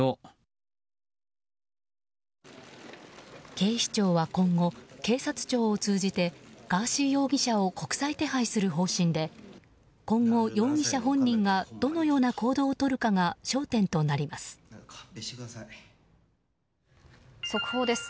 警視庁は今後警察庁を通じてガーシー容疑者を国際手配する方針で今後、容疑者本人がどのような行動をとるかが速報です。